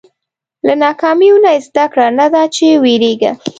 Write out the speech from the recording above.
• له ناکامیو نه زده کړه، نه دا چې وېرېږه.